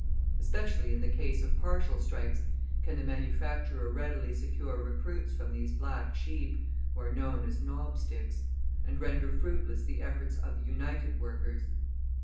Especially in the case of partial strikes can the manufacturer readily secure recruits from these black sheep (who are known as knobsticks), and render fruitless the efforts of the united workers.